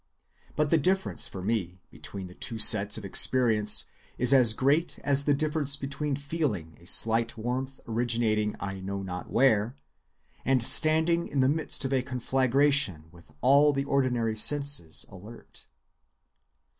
But the difference for me between the two sets of experience is as great as the difference between feeling a slight warmth originating I know not where, and standing in the midst of a conflagration with all the ordinary senses alert.